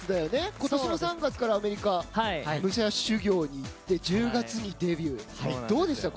今年の３月からアメリカ武者修行に行って１０月にデビュー。